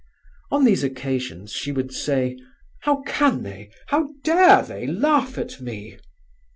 On these occasions she would say, "How can they, how dare they laugh at me?"